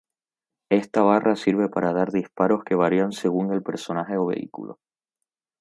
Esta barra sirve para dar disparos que varían según el personaje o vehículo.